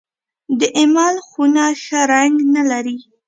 د اېمل خونه ښه رنګ نه لري .